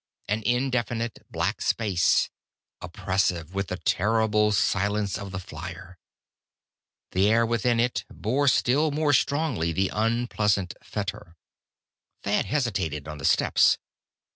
An indefinite black space, oppressive with the terrible silence of the flier. The air within it bore still more strongly the unpleasant fetor. Thad hesitated on the steps.